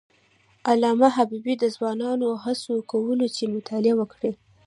علامه حبیبي د ځوانانو هڅونه کوله چې مطالعه وکړي.